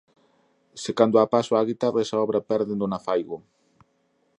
se cando a paso á guitarra, esa obra perde non a fago.